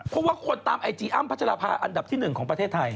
เพราะว่าคนตามไอจีอ้ำพัชราภาอันดับที่๑ของประเทศไทย